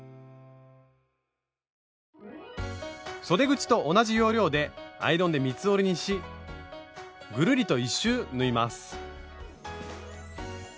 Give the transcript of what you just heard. そで口と同じ要領でアイロンで三つ折りにしぐるりと１周縫います。